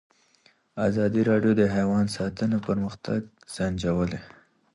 ازادي راډیو د حیوان ساتنه پرمختګ سنجولی.